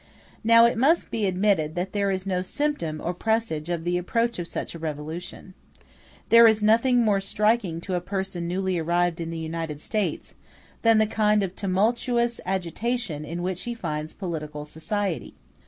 Now, it must be admitted that there is no symptom or presage of the approach of such a revolution. There is nothing more striking to a person newly arrived in the United States, than the kind of tumultuous agitation in which he finds political society.